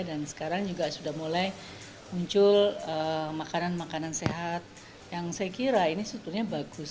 dan sekarang juga sudah mulai muncul makanan makanan sehat yang saya kira ini sebetulnya bagus